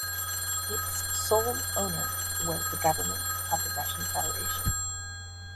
Its sole owner was the Government of the Russian Federation.